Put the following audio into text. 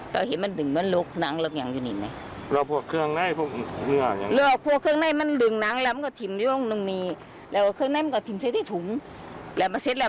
ตอนนั้นแมว